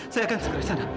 saya akan segera ke sana